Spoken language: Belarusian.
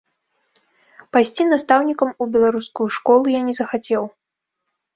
Пайсці настаўнікам у беларускую школу я не захацеў.